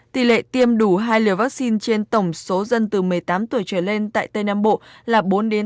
tỷ lệ tiêm đủ hai liều vaccine trên tổng số dân từ một mươi tám tuổi trở lên tại tây nam bộ là bốn năm